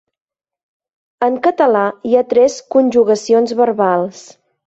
En català hi ha tres conjugacions verbals.